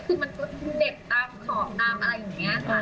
คือมันก็เหน็บตามขอบตามอะไรอย่างนี้ค่ะ